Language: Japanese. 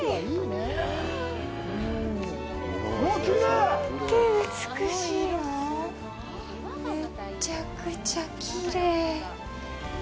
めっちゃくちゃきれい。